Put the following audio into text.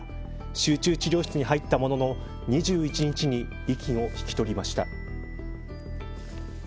集中治療室に入ったものの２１日に息を引き取りました。